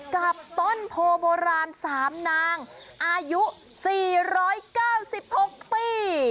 กับต้นโพโบราณ๓นางอายุ๔๙๖ปี